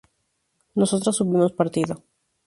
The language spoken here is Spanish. nosotras hubimos partido